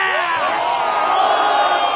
お！